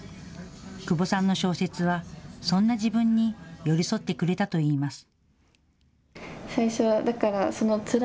窪さんの小説は、そんな自分に寄り添ってくれたといいます。